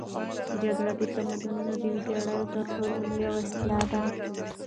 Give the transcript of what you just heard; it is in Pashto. جګړه د تمدنونو د ویجاړۍ تر ټولو لویه وسیله ده.